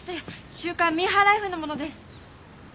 「週刊ミーハーライフ」の者です。